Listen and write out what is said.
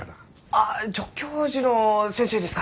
あ助教授の先生ですか！